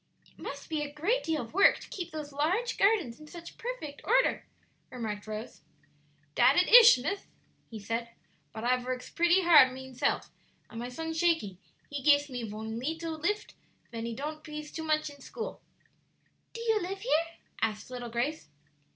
"It must be a great deal of work to keep those large gardens in such perfect order," remarked Rose. "Dat it ish, miss," he said; "but I vorks pretty hard mineself, and my son Shakey, he gifs me von leetle lift ven he ton't pees too much in school." "Do you live here?" asked little Grace.